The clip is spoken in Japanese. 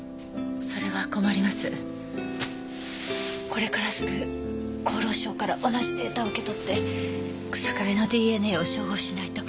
これからすぐ厚労省から同じデータを受け取って日下部のＤＮＡを照合しないと。